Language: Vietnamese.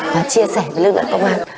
và chia sẻ với lực lượng công an